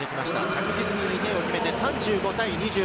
着実に２点を決めて３５対２４。